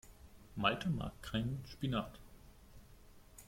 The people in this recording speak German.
Malte mag keinen Spinat.